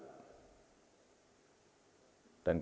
dan kita harus berpikir